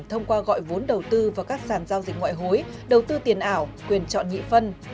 thông qua gọi vốn đầu tư vào các sản giao dịch ngoại hối đầu tư tiền ảo quyền chọn nhị phân